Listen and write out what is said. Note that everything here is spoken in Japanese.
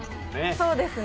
そうですね。